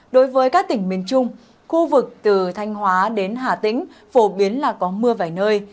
đối với các tỉnh miền trung khu vực từ thanh hóa đến hà tĩnh phổ biến là có mưa vài nơi